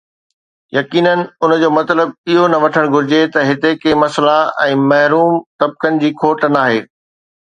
يقينن، ان جو مطلب اهو نه وٺڻ گهرجي ته هتي ڪي به مسئلا ۽ محروم طبقن جي کوٽ ناهي.